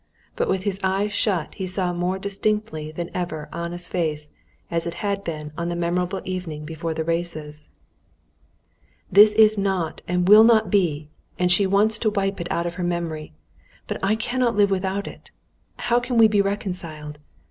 But with his eyes shut he saw more distinctly than ever Anna's face as it had been on the memorable evening before the races. "That is not and will not be, and she wants to wipe it out of her memory. But I cannot live without it. How can we be reconciled?